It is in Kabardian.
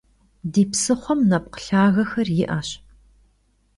Di psıxhuem nepkh lhagexer yi'eş ,